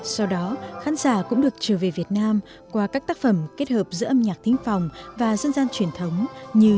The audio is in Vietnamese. sau đó khán giả cũng được trở về việt nam qua các tác phẩm kết hợp giữa âm nhạc thính phòng và dân gian truyền thống như